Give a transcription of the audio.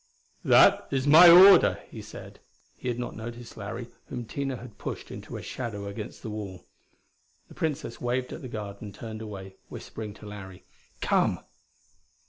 "That is my order," he said. He had not noticed Larry, whom Tina had pushed into a shadow against the wall. The Princess waved at the guard and turned away, whispering to Larry: "Come!"